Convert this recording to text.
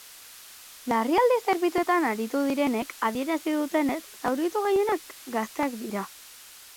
Larrialdi zerbitzuetan aritu direnek adierazi dutenez, zauritu gehienak gazteak dira.